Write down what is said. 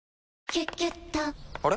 「キュキュット」から！